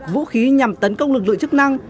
vũ khí nhằm tấn công lực lượng chức năng